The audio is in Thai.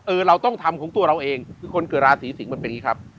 เราต้องทำของตัวเราเองคือคนเกิดราศีสิงศ์มันเป็นอย่างนี้ครับ